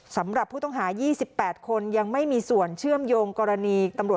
สำหรับผู้ต้องหา๒๘คนยังไม่มีส่วนเชื่อมโยงกรณีตำรวจ